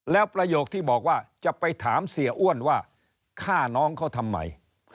แล้วประโยคที่บอกว่าจะไปถามเสียอ้วนว่าฆ่าน้องเขาทำไม